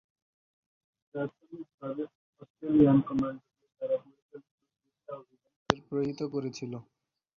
প্রাথমিকভাবে অস্ট্রেলিয়ান কমান্ডোদের দ্বারা পরিচালিত গেরিলা অভিযান তাদেরকে প্রতিহত করেছিল।